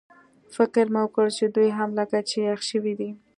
فکر مې وکړ چې دوی هم لکه چې یخ شوي دي.